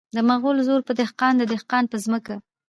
د مغل زور په دهقان د دهقان په ځمکه .